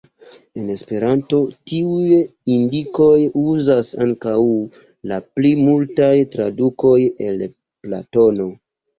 En Esperanto tiujn indikojn uzas ankaŭ la pli multaj tradukoj el Platono.